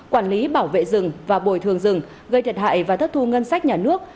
quản lý bảo vệ rừng và bồi thường rừng gây thiệt hại và thất thu ngân sách nhà nước